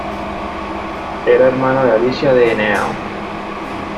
Era hermano de Alicia de Henao.